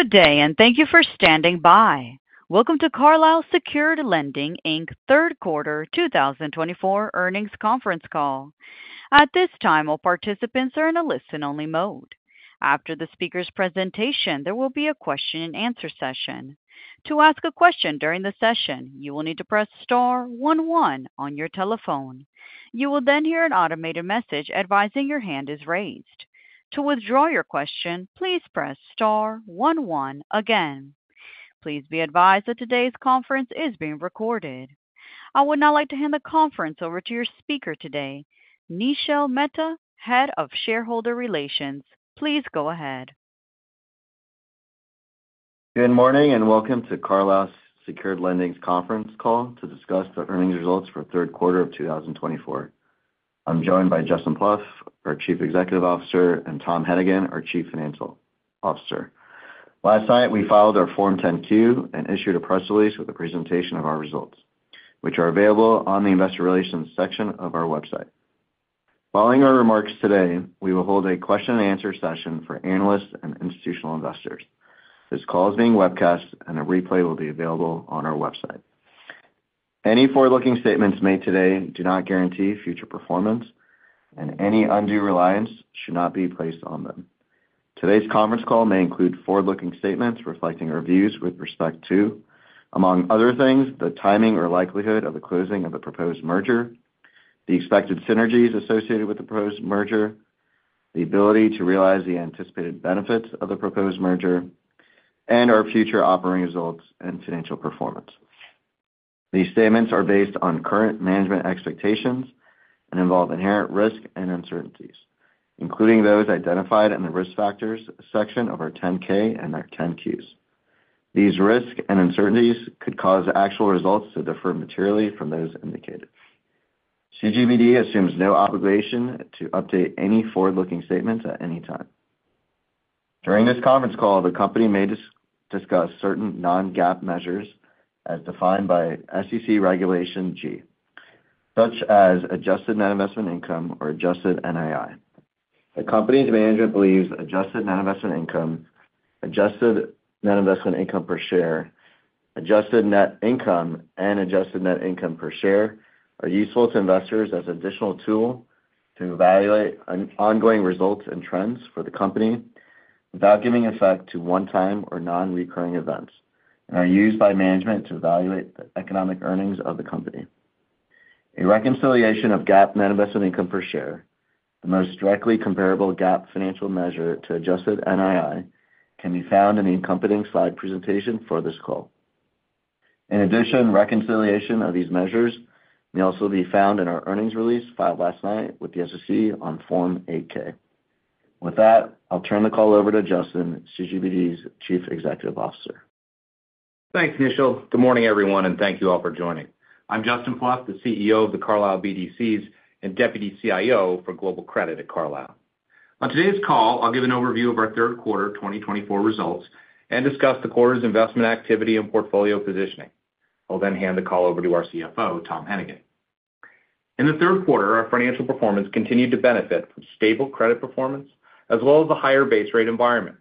Good day, and thank you for standing by. Welcome to Carlyle Secured Lending, Inc. Third Quarter 2024 Earnings Conference Call. At this time, all participants are in a listen-only mode. After the speaker's presentation, there will be a question-and-answer session. To ask a question during the session, you will need to press star one one on your telephone. You will then hear an automated message advising your hand is raised. To withdraw your question, please press star one one again. Please be advised that today's conference is being recorded. I would now like to hand the conference over to your speaker today, Nishil Mehta, Head of Shareholder Relations. Please go ahead. Good morning, and welcome to Carlyle Secured Lending's conference call to discuss the earnings results for Third Quarter of 2024. I'm joined by Justin Plouffe, our Chief Executive Officer, and Tom Hennigan, our Chief Financial Officer. Last night, we filed our Form 10-Q and issued a press release with a presentation of our results, which are available on the Investor Relations section of our website. Following our remarks today, we will hold a question-and-answer session for analysts and institutional investors. This call is being webcast, and a replay will be available on our website. Any forward-looking statements made today do not guarantee future performance, and any undue reliance should not be placed on them. Today's conference call may include forward-looking statements reflecting our views with respect to, among other things, the timing or likelihood of the closing of the proposed merger, the expected synergies associated with the proposed merger, the ability to realize the anticipated benefits of the proposed merger, and our future operating results and financial performance. These statements are based on current management expectations and involve inherent risk and uncertainties, including those identified in the risk factors section of our 10-K and our 10-Qs. These risks and uncertainties could cause actual results to differ materially from those indicated. CGBD assumes no obligation to update any forward-looking statements at any time. During this conference call, the company may discuss certain non-GAAP measures as defined by SEC Regulation G, such as adjusted net investment income or adjusted NII. The company's management believes adjusted net investment income, adjusted net investment income per share, adjusted net income, and adjusted net income per share are useful to investors as an additional tool to evaluate ongoing results and trends for the company without giving effect to one-time or non-recurring events, and are used by management to evaluate the economic earnings of the company. A reconciliation of GAAP net investment income per share, the most directly comparable GAAP financial measure to adjusted NII, can be found in the accompanying slide presentation for this call. In addition, reconciliation of these measures may also be found in our earnings release filed last night with the SEC on Form 8-K. With that, I'll turn the call over to Justin, CGBD's Chief Executive Officer. Thanks, Nishil. Good morning, everyone, and thank you all for joining. I'm Justin Plouffe, the CEO of the Carlyle BDCs and Deputy CIO for Global Credit at Carlyle. On today's call, I'll give an overview of our Third Quarter 2024 results and discuss the quarter's investment activity and portfolio positioning. I'll then hand the call over to our CFO, Tom Hennigan. In the Third Quarter, our financial performance continued to benefit from stable credit performance as well as a higher base rate environment.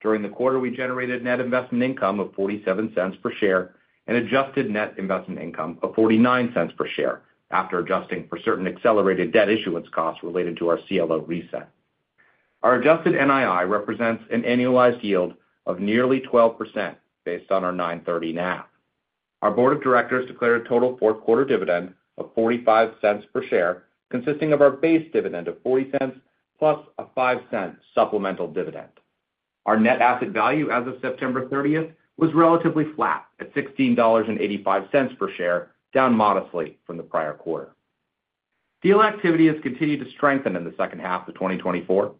During the quarter, we generated net investment income of $0.47 per share and adjusted net investment income of $0.49 per share after adjusting for certain accelerated debt issuance costs related to our CLO reset. Our adjusted NII represents an annualized yield of nearly 12% based on our $9.30 NAV. Our Board of Directors declared a total fourth-quarter dividend of $0.45 per share, consisting of our base dividend of $0.40 plus a $0.05 supplemental dividend. Our net asset value as of September 30th was relatively flat at $16.85 per share, down modestly from the prior quarter. Deal activity has continued to strengthen in the second half of 2024.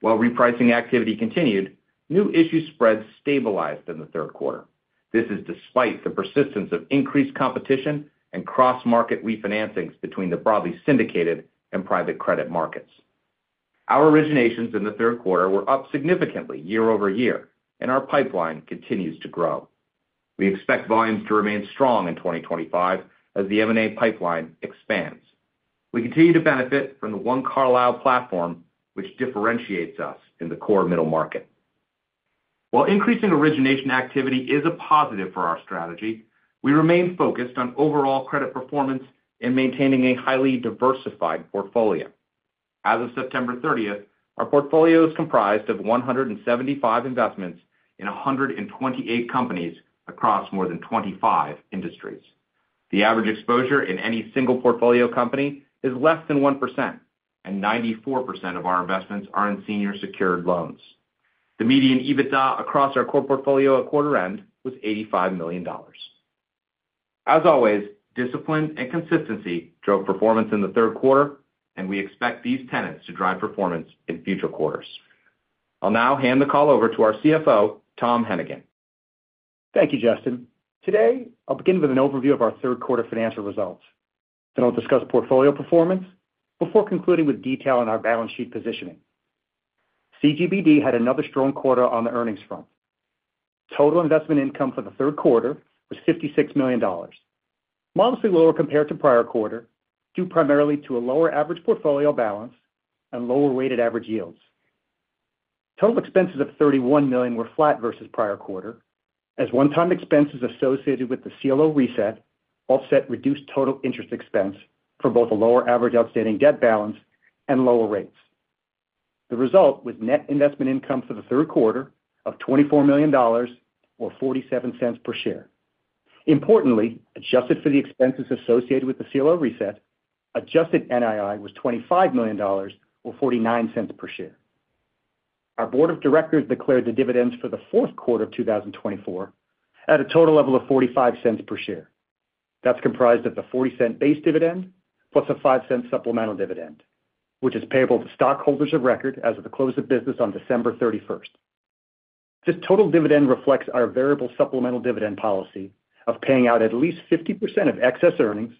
While repricing activity continued, new issue spreads stabilized in the Third Quarter. This is despite the persistence of increased competition and cross-market refinancings between the broadly syndicated and private credit markets. Our originations in the Third Quarter were up significantly year over year, and our pipeline continues to grow. We expect volumes to remain strong in 2025 as the M&A pipeline expands. We continue to benefit from the One Carlyle platform, which differentiates us in the core middle market. While increasing origination activity is a positive for our strategy, we remain focused on overall credit performance and maintaining a highly diversified portfolio. As of September 30th, our portfolio is comprised of 175 investments in 128 companies across more than 25 industries. The average exposure in any single portfolio company is less than 1%, and 94% of our investments are in senior secured loans. The median EBITDA across our core portfolio at quarter-end was $85 million. As always, discipline and consistency drove performance in the Third Quarter, and we expect these tenets to drive performance in future quarters. I'll now hand the call over to our CFO, Tom Hennigan. Thank you, Justin. Today, I'll begin with an overview of our Third Quarter financial results, then I'll discuss portfolio performance before concluding with detail on our balance sheet positioning. CGBD had another strong quarter on the earnings front. Total investment income for the Third Quarter was $56 million, modestly lower compared to prior quarter due primarily to a lower average portfolio balance and lower weighted average yields. Total expenses of $31 million were flat versus prior quarter, as one-time expenses associated with the CLO reset offset reduced total interest expense for both a lower average outstanding debt balance and lower rates. The result was net investment income for the Third Quarter of $24 million, or $0.47 per share. Importantly, adjusted for the expenses associated with the CLO reset, adjusted NII was $25 million, or $0.49 per share. Our Board of Directors declared the dividends for the Fourth Quarter of 2024 at a total level of $0.45 per share. That's comprised of the $0.40 base dividend plus a $0.05 supplemental dividend, which is payable to stockholders of record as of the close of business on December 31st. This total dividend reflects our variable supplemental dividend policy of paying out at least 50% of excess earnings,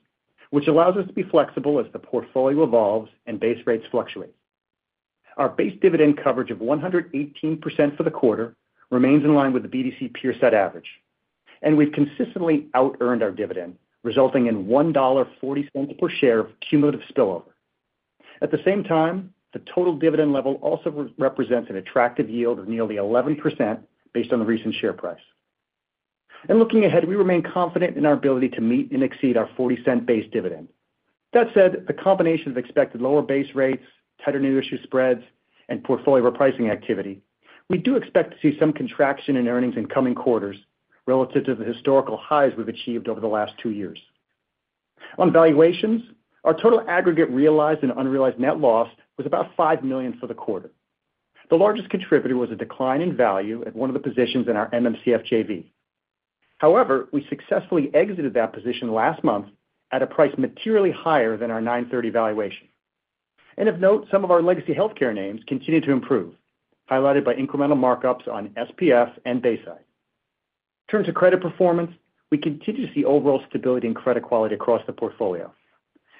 which allows us to be flexible as the portfolio evolves and base rates fluctuate. Our base dividend coverage of 118% for the quarter remains in line with the BDC peer set average, and we've consistently out-earned our dividend, resulting in $1.40 per share of cumulative spillover. At the same time, the total dividend level also represents an attractive yield of nearly 11% based on the recent share price. And looking ahead, we remain confident in our ability to meet and exceed our $0.40 base dividend. That said, the combination of expected lower base rates, tighter new issue spreads, and portfolio repricing activity. We do expect to see some contraction in earnings in coming quarters relative to the historical highs we've achieved over the last two years. On valuations, our total aggregate realized and unrealized net loss was about $5 million for the quarter. The largest contributor was a decline in value at one of the positions in our MMCF JV. However, we successfully exited that position last month at a price materially higher than our 9/30 valuation. And of note, some of our legacy healthcare names continue to improve, highlighted by incremental markups on SPH and Bayside. Turn to credit performance. We continue to see overall stability in credit quality across the portfolio.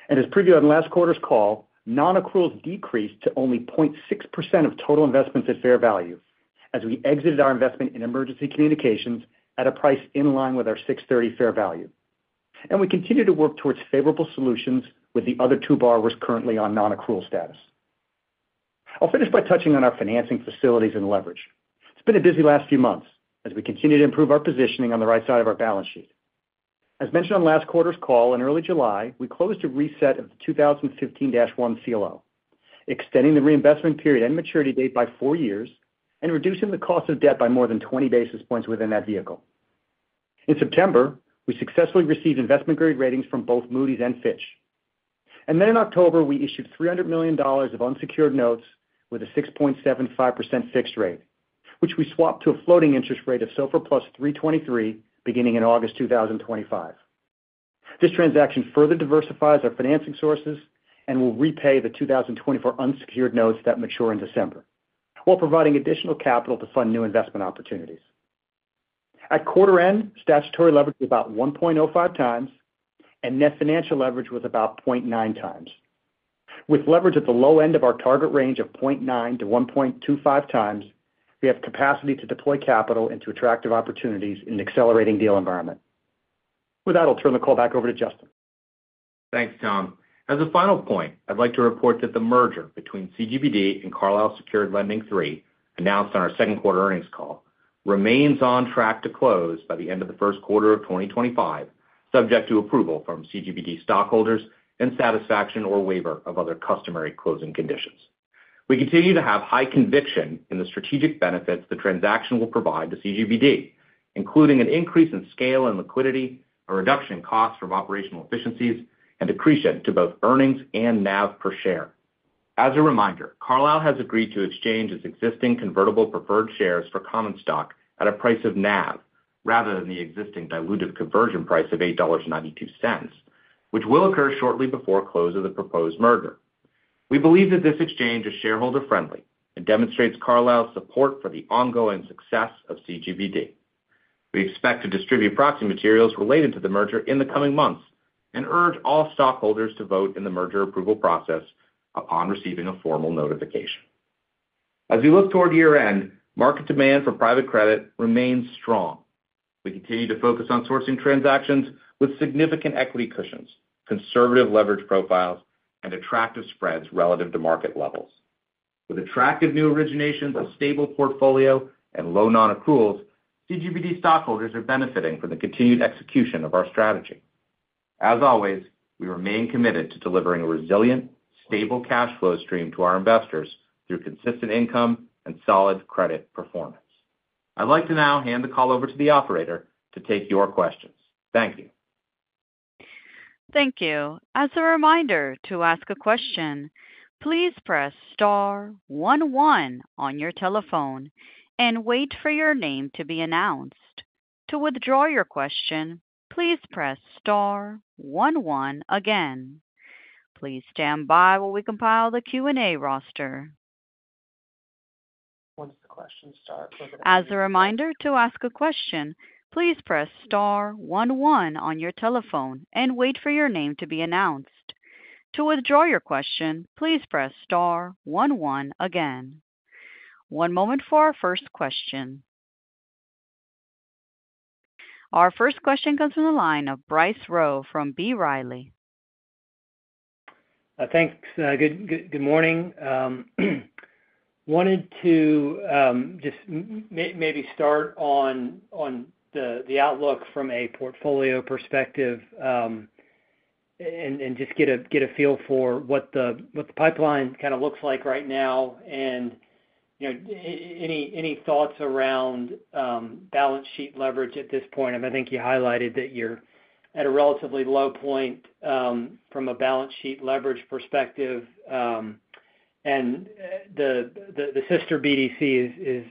As previewed on last quarter's call, non-accruals decreased to only 0.6% of total investments at fair value as we exited our investment in Emergency Communications at a price in line with our 6/30 fair value. We continue to work towards favorable solutions with the other two borrowers currently on non-accrual status. I'll finish by touching on our financing facilities and leverage. It's been a busy last few months as we continue to improve our positioning on the right side of our balance sheet. As mentioned on last quarter's call in early July, we closed a reset of the 2015-1 CLO, extending the reinvestment period and maturity date by four years and reducing the cost of debt by more than 20 basis points within that vehicle. In September, we successfully received investment-grade ratings from both Moody's and Fitch. And then in October, we issued $300 million of unsecured notes with a 6.75% fixed rate, which we swapped to a floating interest rate of SOFR plus 3.23% beginning in August 2025. This transaction further diversifies our financing sources and will repay the 2024 unsecured notes that mature in December while providing additional capital to fund new investment opportunities. At quarter-end, statutory leverage was about 1.05x, and net financial leverage was about 0.9x. With leverage at the low end of our target range of 0.9x-1.25x, we have capacity to deploy capital into attractive opportunities in an accelerating deal environment. With that, I'll turn the call back over to Justin. Thanks, Tom. As a final point, I'd like to report that the merger between CGBD and Carlyle Secured Lending III announced on our Second Quarter earnings call remains on track to close by the end of the First Quarter of 2025, subject to approval from CGBD stockholders and satisfaction or waiver of other customary closing conditions. We continue to have high conviction in the strategic benefits the transaction will provide to CGBD, including an increase in scale and liquidity, a reduction in costs from operational efficiencies, and accretion to both earnings and NAV per share. As a reminder, Carlyle has agreed to exchange its existing convertible preferred shares for common stock at a price of NAV rather than the existing dilutive conversion price of $8.92, which will occur shortly before close of the proposed merger. We believe that this exchange is shareholder-friendly and demonstrates Carlyle's support for the ongoing success of CGBD. We expect to distribute proxy materials related to the merger in the coming months and urge all stockholders to vote in the merger approval process upon receiving a formal notification. As we look toward year-end, market demand for private credit remains strong. We continue to focus on sourcing transactions with significant equity cushions, conservative leverage profiles, and attractive spreads relative to market levels. With attractive new originations, a stable portfolio, and low non-accruals, CGBD stockholders are benefiting from the continued execution of our strategy. As always, we remain committed to delivering a resilient, stable cash flow stream to our investors through consistent income and solid credit performance. I'd like to now hand the call over to the operator to take your questions. Thank you. Thank you. As a reminder to ask a question, please press star one one on your telephone and wait for your name to be announced. To withdraw your question, please press star one one again. Please stand by while we compile the Q&A roster. Once the questions start. As a reminder to ask a question, please press star one one on your telephone and wait for your name to be announced. To withdraw your question, please press star one one again. One moment for our first question. Our first question comes from the line of Bryce Rowe from B. Riley. Thanks. Good morning. Wanted to just maybe start on the outlook from a portfolio perspective and just get a feel for what the pipeline kind of looks like right now and any thoughts around balance sheet leverage at this point. I think you highlighted that you're at a relatively low point from a balance sheet leverage perspective, and the sister BDC is,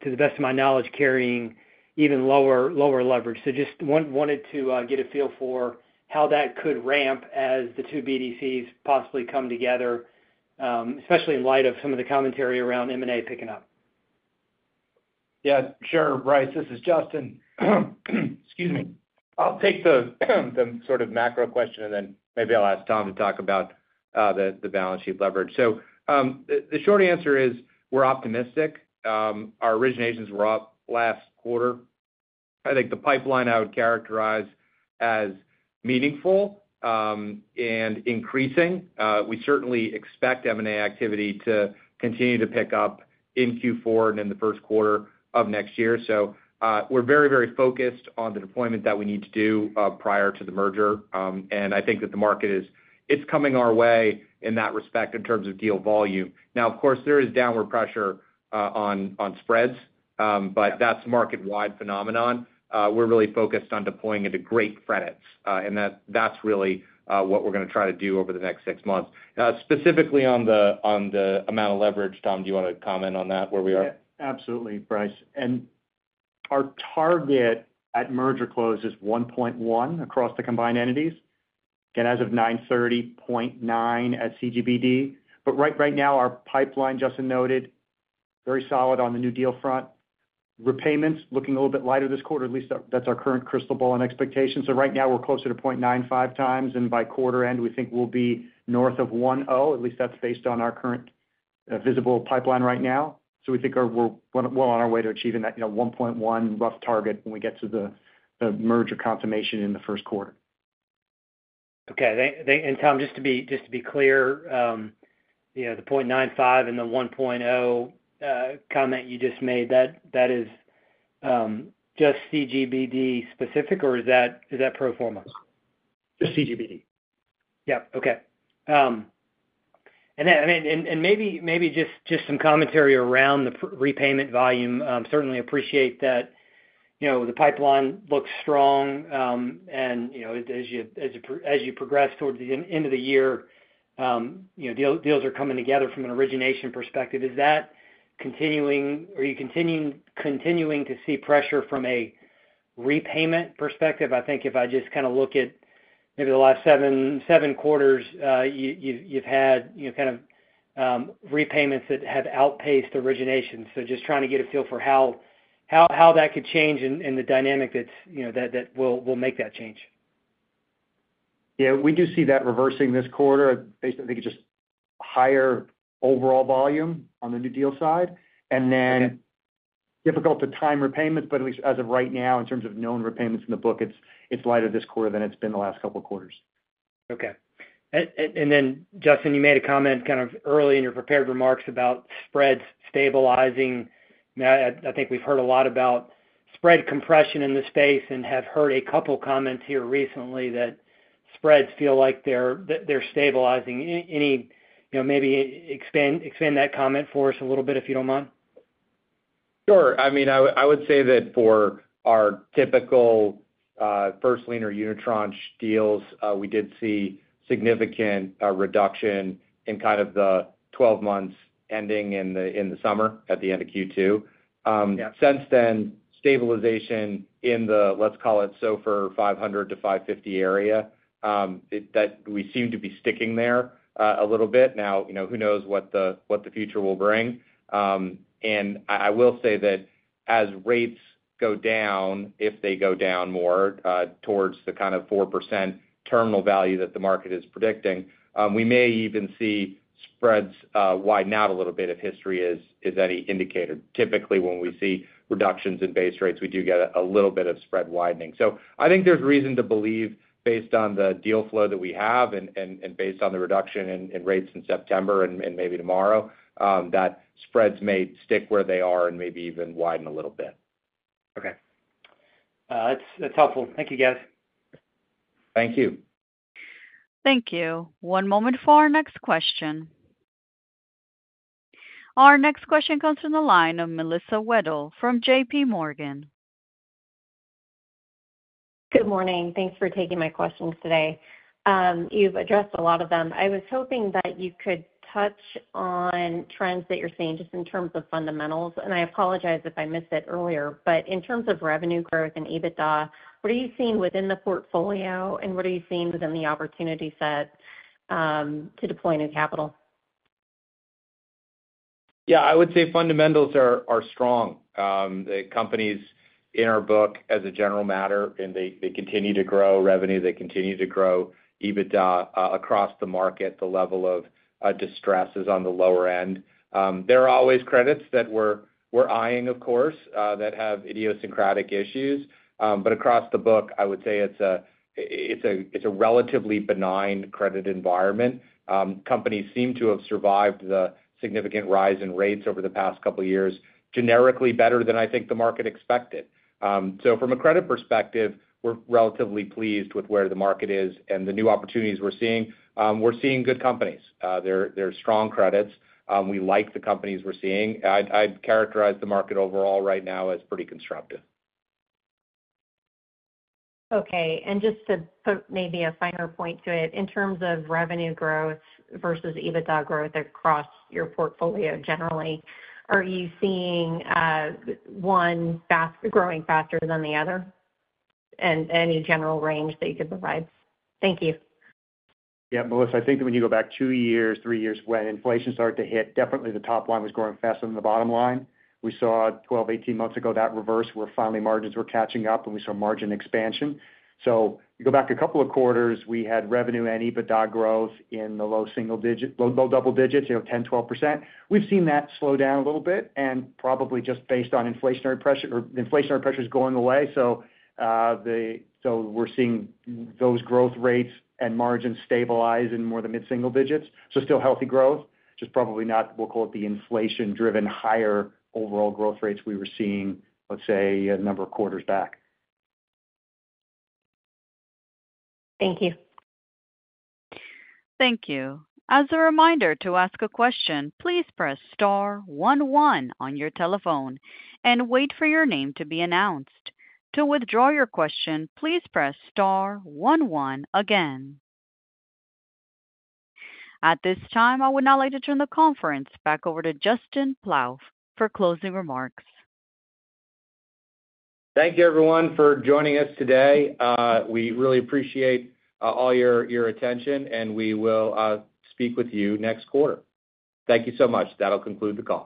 to the best of my knowledge, carrying even lower leverage. So just wanted to get a feel for how that could ramp as the two BDCs possibly come together, especially in light of some of the commentary around M&A picking up. Yeah. Sure. Bryce, this is Justin. Excuse me. I'll take the sort of macro question, and then maybe I'll ask Tom to talk about the balance sheet leverage. So the short answer is we're optimistic. Our originations were up last quarter. I think the pipeline I would characterize as meaningful and increasing. We certainly expect M&A activity to continue to pick up in Q4 and in the first quarter of next year. So we're very, very focused on the deployment that we need to do prior to the merger. And I think that the market is coming our way in that respect in terms of deal volume. Now, of course, there is downward pressure on spreads, but that's a market-wide phenomenon. We're really focused on deploying into great credits, and that's really what we're going to try to do over the next six months. Specifically on the amount of leverage, Tom, do you want to comment on that where we are? Yeah. Absolutely, Bryce. Our target at merger close is 1.1 across the combined entities. Again, as of 9/30, 0.9 at CGBD. But right now, our pipeline, Justin noted, very solid on the new deal front. Repayments looking a little bit lighter this quarter. At least that's our current crystal ball and expectation. So right now, we're closer to 0.95 times, and by quarter-end, we think we'll be north of 1.0. At least that's based on our current visible pipeline right now. So we think we're well on our way to achieving that 1.1 rough target when we get to the merger confirmation in the first quarter. Okay. And Tom, just to be clear, the 0.95 and the 1.0 comment you just made, that is just CGBD specific, or is that pro forma? Just CGBD. Yep. Okay. And maybe just some commentary around the repayment volume. Certainly appreciate that the pipeline looks strong. And as you progress towards the end of the year, deals are coming together from an origination perspective. Is that continuing, or are you continuing to see pressure from a repayment perspective? I think if I just kind of look at maybe the last seven quarters, you've had kind of repayments that have outpaced originations. So just trying to get a feel for how that could change and the dynamic that will make that change. Yeah. We do see that reversing this quarter. I think it's just higher overall volume on the new deal side, and then difficult to time repayments, but at least as of right now, in terms of known repayments in the book, it's lighter this quarter than it's been the last couple of quarters. Okay. And then, Justin, you made a comment kind of early in your prepared remarks about spreads stabilizing. I think we've heard a lot about spread compression in this space and have heard a couple of comments here recently that spreads feel like they're stabilizing. Maybe expand that comment for us a little bit if you don't mind. Sure. I mean, I would say that for our typical first lien or unitranche deals, we did see significant reduction in kind of the 12 months ending in the summer at the end of Q2. Since then, stabilization in the, let's call it SOFR 500-550 area, that we seem to be sticking there a little bit. Now, who knows what the future will bring? And I will say that as rates go down, if they go down more towards the kind of 4% terminal value that the market is predicting, we may even see spreads widen out a little bit if history is any indicator. Typically, when we see reductions in base rates, we do get a little bit of spread widening. So I think there's reason to believe, based on the deal flow that we have and based on the reduction in rates in September and maybe tomorrow, that spreads may stick where they are and maybe even widen a little bit. Okay. That's helpful. Thank you, guys. Thank you. Thank you. One moment for our next question. Our next question comes from the line of Melissa Wedel from JPMorgan. Good morning. Thanks for taking my questions today. You've addressed a lot of them. I was hoping that you could touch on trends that you're seeing just in terms of fundamentals. And I apologize if I missed it earlier. But in terms of revenue growth and EBITDA, what are you seeing within the portfolio, and what are you seeing within the opportunity set to deploy new capital? Yeah. I would say fundamentals are strong. The companies in our book, as a general matter, and they continue to grow revenue. They continue to grow EBITDA. Across the market, the level of distress is on the lower end. There are always credits that we're eyeing, of course, that have idiosyncratic issues, but across the book, I would say it's a relatively benign credit environment. Companies seem to have survived the significant rise in rates over the past couple of years generically better than I think the market expected, so from a credit perspective, we're relatively pleased with where the market is and the new opportunities we're seeing. We're seeing good companies. There are strong credits. We like the companies we're seeing. I'd characterize the market overall right now as pretty constructive. Okay. And just to put maybe a finer point to it, in terms of revenue growth versus EBITDA growth across your portfolio generally, are you seeing one growing faster than the other? And any general range that you could provide? Thank you. Yeah. Melissa, I think when you go back two years, three years, when inflation started to hit, definitely the top line was growing faster than the bottom line. We saw 12, 18 months ago that reverse where finally margins were catching up, and we saw margin expansion. So you go back a couple of quarters, we had revenue and EBITDA growth in the low double digits, 10%, 12%. We've seen that slow down a little bit and probably just based on inflationary pressure or inflationary pressures going away. So we're seeing those growth rates and margins stabilize in more of the mid-single digits. So still healthy growth, just probably not, we'll call it the inflation-driven higher overall growth rates we were seeing, let's say, a number of quarters back. Thank you. Thank you. As a reminder to ask a question, please press star one one on your telephone and wait for your name to be announced. To withdraw your question, please press star one one again. At this time, I would now like to turn the conference back over to Justin Plouffe for closing remarks. Thank you, everyone, for joining us today. We really appreciate all your attention, and we will speak with you next quarter. Thank you so much. That'll conclude the call.